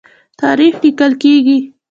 تاریخ لیکل کیږي.